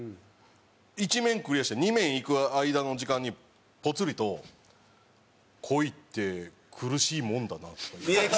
１面クリアして２面いく間の時間にポツリと「恋って苦しいもんだな」って。